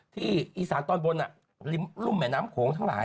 ที่อีสานตอนบนริมรุ่มแม่น้ำโขงทั้งหลาย